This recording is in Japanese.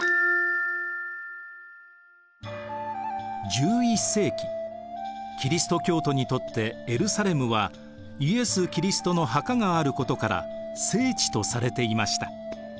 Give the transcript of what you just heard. １１世紀キリスト教徒にとってエルサレムはイエス・キリストの墓があることから聖地とされていました。